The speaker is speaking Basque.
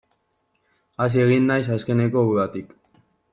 Hazi egin naiz azkeneko udatik.